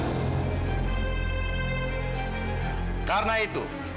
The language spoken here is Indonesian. mereka berp sayang settingan itu